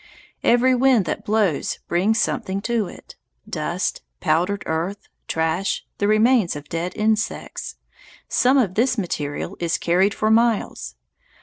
Every wind that blows brings something to it, dust, powdered earth, trash, the remains of dead insects; some of this material is carried for miles.